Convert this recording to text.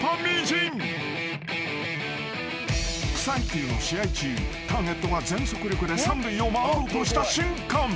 ［草野球の試合中ターゲットが全速力で三塁を回ろうとした瞬間］